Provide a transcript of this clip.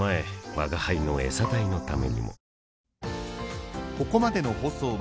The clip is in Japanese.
吾輩のエサ代のためにも